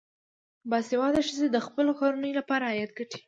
باسواده ښځې د خپلو کورنیو لپاره عاید ګټي.